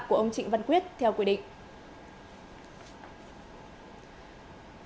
của ông trịnh văn quyết theo quy định